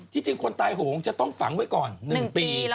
จริงคนตายโหงจะต้องฝังไว้ก่อน๑ปี